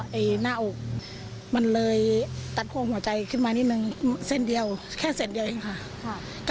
หน้าอกมันเลยตัดควงหัวใจขึ้นมานิดนึงเส้นเดียวแค่เส้นเดียวเองค่ะ